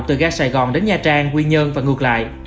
từ ga sài gòn đến nha trang quy nhơn và ngược lại